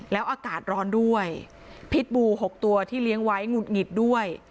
แล้วอากาศร้อนด้วยพิษบู๖ตัวที่เลี้ยงไว้หงุดหงิดด้วย